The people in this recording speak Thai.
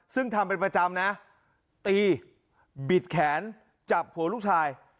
ซึ่งทำเป็นประจำนะตีบิดแขนจับหัวลูกชาย